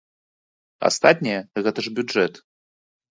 Астатняе гэта ж бюджэт.